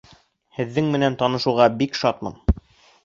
Һеҙҙең менән танышыуға бик шатмын.